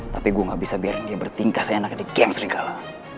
tapi gue gak bisa biarin dia bertingkah seenak di geng serigala